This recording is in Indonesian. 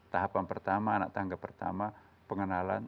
tahapan pertama anak tangga pertama pengenalan